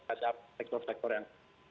terima kasih pak kamarudin